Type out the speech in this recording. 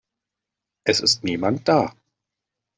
Es ist niemand da.